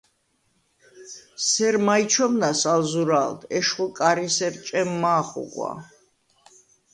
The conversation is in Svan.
სერ მაჲ ჩომნას ალ ზურა̄ლდ: ეშხუ კა̄რისერ ჭემ მა̄ ხუღვა.